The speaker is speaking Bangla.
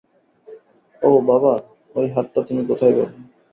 ওহ, বাবা, ওই হাতটা তুমি কোথায় পাবে?